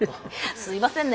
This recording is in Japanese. すいませんね。